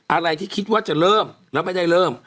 อะไรที่คิดว่าจะเริ่มแล้วไม่ได้เริ่ม